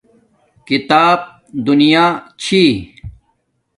کتاب دنیا چھی